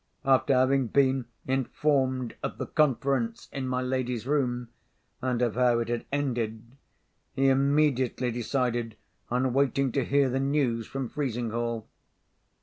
After having been informed of the conference in my lady's room, and of how it had ended, he immediately decided on waiting to hear the news from Frizinghall.